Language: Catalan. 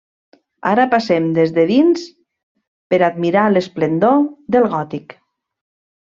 Ara passem des de dins per admirar l'esplendor del gòtic.